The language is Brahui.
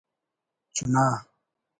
’چنا‘